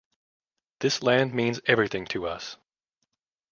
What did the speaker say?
This land means everything to us...